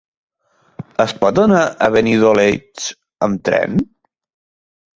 Es pot anar a Benidoleig amb tren?